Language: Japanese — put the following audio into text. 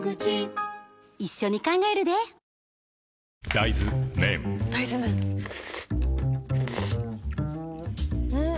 大豆麺ん？